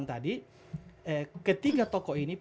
jadi ketiga tokoh ini